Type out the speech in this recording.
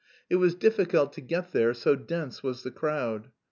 It was difficult to get there, so dense was the crowd.